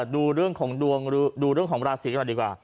ดูเรื่องของดวงราศีไปดีกว่า